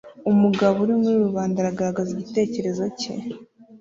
Umugabo uri muri rubanda aragaragaza igitekerezo cye